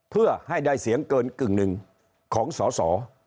เพื่อให้ได้เสียงเกินกึ่งหนึ่งของสอสอ